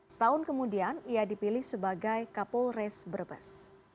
setahun kemudian ia dipilih sebagai kapolres brebes